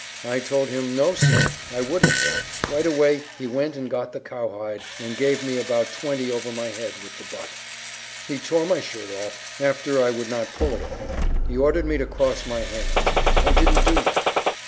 I told him no, sir, I wouldn't; right away he went and got the cowhide, and gave me about twenty over my head with the butt. He tore my shirt off, after I would not pull it off; he ordered me to cross my hands. I didn't do that.